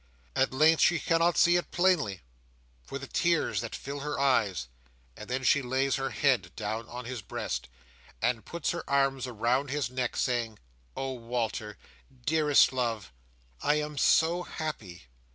At length she cannot see it plainly, for the tears that fill her eyes; and then she lays her head down on his breast, and puts her arms around his neck, saying, "Oh Walter, dearest love, I am so happy!"